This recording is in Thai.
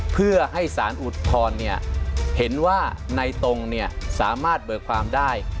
เพื่อให้สารอุทธรณ์เห็นว่าในตรงสามารถเบิกความได้